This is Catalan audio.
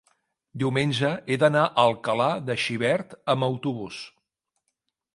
Diumenge he d'anar a Alcalà de Xivert amb autobús.